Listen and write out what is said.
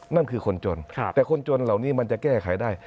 นั่นคือคนจนแต่คนจนเหล่านี้มันจะแก้ไขได้